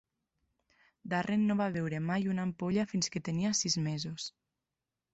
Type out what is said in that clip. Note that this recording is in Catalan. Darren no va veure mai una ampolla fins que tenia sis mesos.